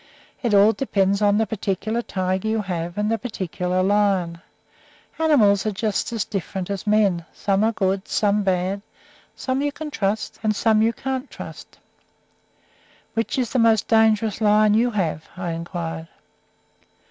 It all depends on the particular tiger you have and the particular lion. Animals are just as different as men: some are good, some bad; some you can trust and some you can't trust." "Which is the most dangerous lion you have?" I inquired.